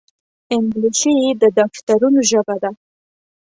انګلیسي د دفترونو ژبه ده